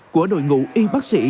của đội ngũ y bác sĩ